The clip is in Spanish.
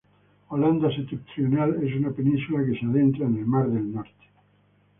Holanda Septentrional es una península que se adentra en el mar del Norte.